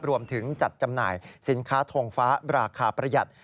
รวมถึงจัดจำหน่ายสินค้าทงฟ้าราคาประหยัด